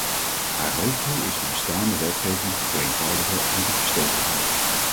Haar hoofddoel is de bestaande wetgeving te vereenvoudigen en te verstevigen.